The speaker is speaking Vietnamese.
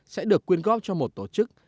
sẽ được quyên góp cho một tổ chức